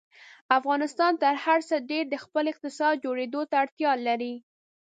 افغانستان تر هر څه ډېر د خپل اقتصاد جوړېدو ته اړتیا لري.